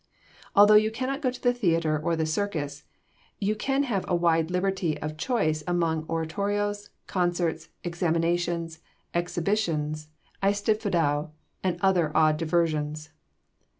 Although you cannot go to the theatre or the circus, you can have a wide liberty of choice among oratorios, concerts, examinations, exhibitions, eisteddfodau, and other odd diversions.